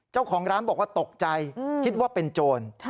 เจ้าของร้านบอกว่าตกใจคิดว่าเป็นโจร